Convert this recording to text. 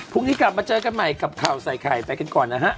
พรุ่งนี้กลับมาเจอกันใหม่กับข่าวใส่ไข่ไปกันก่อนนะฮะ